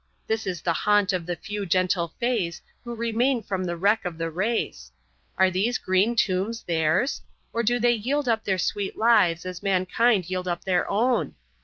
This is the haunt of the few gentle Fays who remain from the wreck of the race. Are these green tombs theirs?—or do they yield up their sweet lives as mankind yield up their own?